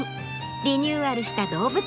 リニューアルした動物園。